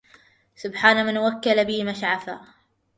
سبحان من وكل بي مشفعا